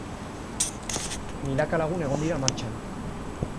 Milaka lagun egon dira martxan.